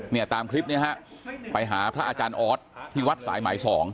เนี่ยตามคลิปเนี่ยฮะไปหาพระอาจารย์ออสที่วัดสายหมาย๒